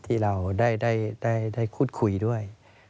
ที่เราได้พูดคุยด้วย